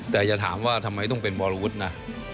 แต่อย่าถามว่าทำไมต้องเป็นวรวุฒินะ